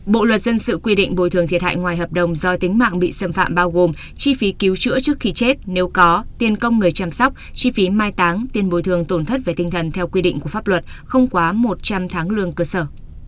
bộ luật dân sự quy định bồi thường thiệt hại ngoài hợp đồng do tính mạng bị xâm phạm bao gồm chi phí cứu chữa trước khi chết nếu có tiền công người chăm sóc chi phí mai táng tiền bồi thường tổn thất về tinh thần theo quy định của pháp luật không quá một trăm linh tháng lương cơ sở